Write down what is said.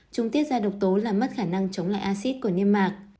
chúng tiết ra độc tố là mất khả năng chống lại acid của niêm mạc